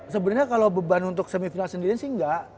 sebenarnya kalau beban untuk semifinal sendirian sih enggak